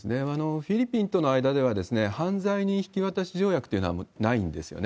フィリピンとの間では、犯罪人引き渡し条約というのはないんですよね。